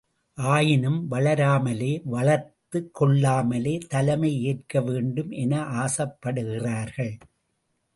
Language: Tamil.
ஆயினும், வளராமலே வளர்த்துக் கொள்ளாமலே தலைமை ஏற்க வேண்டும் என ஆசைப்படுகிறார்கள்!